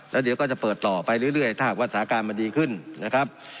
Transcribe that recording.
แล้วเดี๋ยวก็จะเปิดต่อไปเรื่อยถ้าหากว่าสถานการณ์มันดีขึ้นนะครับ